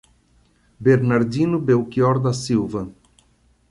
Bernardino Belchior da Silva